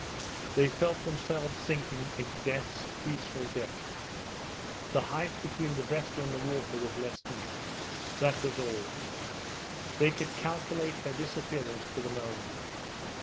They felt themselves sinking into Death's peaceful depths. The height between the vessel and the water was lessening that was all. They could calculate her disappearance to the moment.